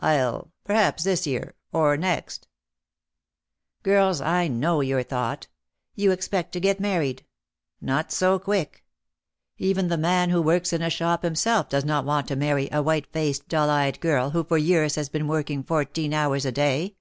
I'll — perhaps this year, or next .' Girls, I know your thought. You expect to get married ! Not so quick ! Even the man who works in a shop himself does not want to marry a white faced dull eyed girl who for years has been working fourteen hours a day.